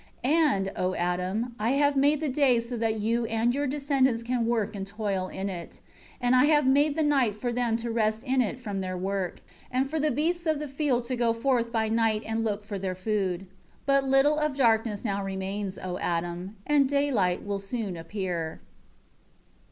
20 And, O Adam, I have made the day so that you and your descendants can work and toil in it. And I have made the night for them to rest in it from their work; and for the beasts of the field to go forth by night and look for their food. 21 But little of darkness now remains, O Adam, and daylight will soon appear."